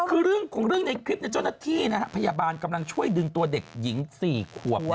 คือเรื่องของในคลิปนี้พยาบาลกำลังช่วยดึงตัวเด็กหญิงสี่ขวบ